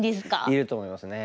いると思いますね。